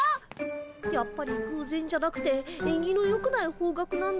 やっぱりぐうぜんじゃなくてえんぎのよくない方角なんだ。